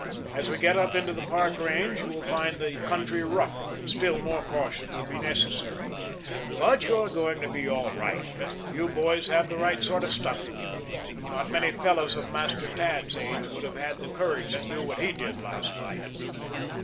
As we get up into the Park Range you will find the country rougher, and still more caution will be necessary. But you're going to be all right. You boys have the right sort of stuff in you. Not many fellows of Master Tad's age would have had the courage to do what he did last night."